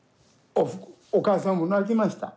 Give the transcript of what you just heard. お母さんも泣きました。